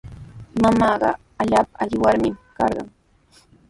Mamaaqa allaapa alli warmimi karqan.